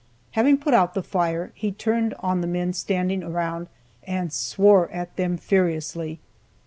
Having put out the fire, he turned on the men standing around, and swore at them furiously.